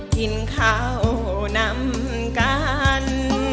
กินข้าวนำกัน